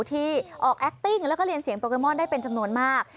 ที่ออกแอคติ้งแล้วก็เรียนเสียงโปเกมอนได้เป็นจำนวนมาก